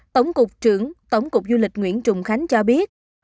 tổng cục trưởng tổng cục du lịch nguyễn trùng khánh cho biết